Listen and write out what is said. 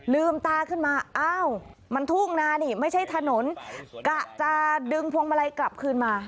ลืมตาขึ้นมาอ้าวมันทุ่งนานี่ไม่ใช่ถนนกะจะดึงพวงมาลัยกลับคืนมา